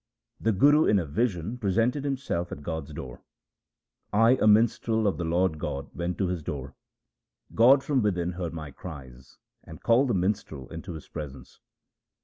The Guru in a vision presented himself at God's door :— I a minstrel of the Lord God went to His door. God from within heard my cries, and called the minstrel into His presence.